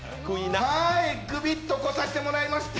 グビッとこさせてもらいました。